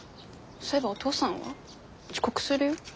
そういえばお父さんは？遅刻するよ？